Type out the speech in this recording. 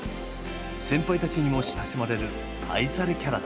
先輩たちにも親しまれる愛されキャラだ。